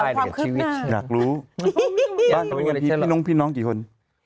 อยากรู้พี่น้องกี่คน